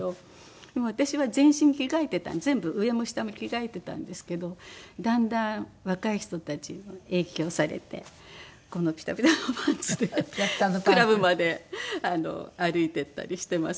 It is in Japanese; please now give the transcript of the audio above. でも私は全身着替えてた全部上も下も着替えてたんですけどだんだん若い人たちに影響されてピタピタのパンツでクラブまで歩いていったりしてます